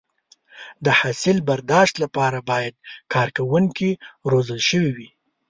د حاصل برداشت لپاره باید کارکوونکي روزل شوي وي.